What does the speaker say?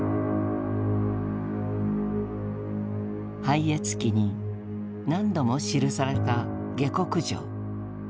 「拝謁記」に何度も記された「下剋上」。